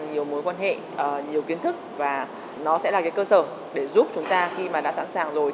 nhiều mối quan hệ nhiều kiến thức và nó sẽ là cái cơ sở để giúp chúng ta khi mà đã sẵn sàng rồi